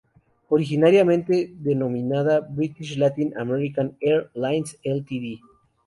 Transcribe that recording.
Originariamente denominada British Latin American Air Lines Ltd.